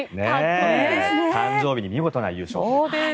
誕生日に見事な優勝と。